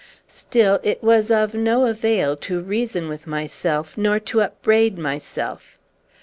Still, it was of no avail to reason with myself nor to upbraid myself.